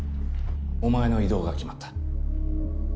お前の異動が決まった。